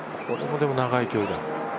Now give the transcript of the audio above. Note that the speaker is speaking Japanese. これも長い距離だ。